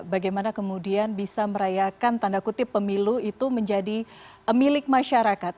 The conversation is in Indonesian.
bagaimana kemudian bisa merayakan tanda kutip pemilu itu menjadi milik masyarakat